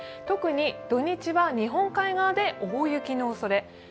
特に土日は、日本海側で大雪のおそれ。